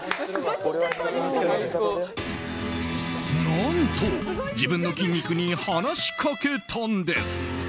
何と、自分の筋肉に話しかけたんです。